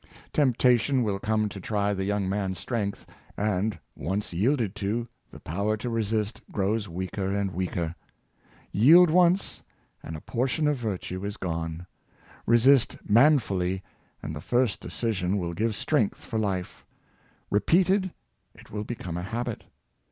Temptation will come to try the young man's strength; and, once yielded to, the power to resist grows weaker and weaker. Yield once, and a portion of virtue is gone. Resist manfully, and the first decision will give strength for life; repeated, it will become a habit.